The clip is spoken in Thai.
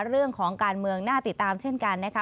เรื่องของการเมืองน่าติดตามเช่นกันนะคะ